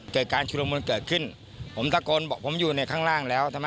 เกิดการชุดละมุนเกิดขึ้นผมตะโกนบอกผมอยู่ในข้างล่างแล้วทำไม